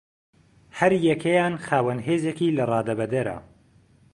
هەریەکەیان خاوەن هێزێکی لەرادەبەدەرە